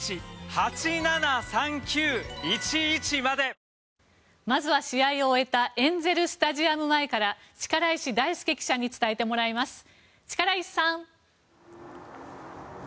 三菱電機まずは試合を終えたエンゼル・スタジアム前から力石大輔記者に伝えてもらいます力石さん。